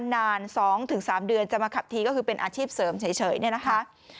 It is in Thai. นาน๒๓เดือนจะมาขับทีก็คือเป็นอาชีพเสริมเฉยเนี่ยนะคะ